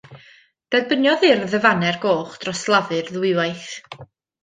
Derbyniodd Urdd y Faner Goch dros Lafur ddwywaith.